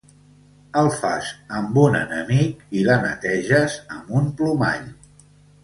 El fas amb un enemic i la neteges amb un plomall.